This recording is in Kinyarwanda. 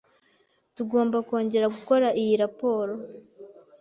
Tugomba kongera gukora iyi raporo.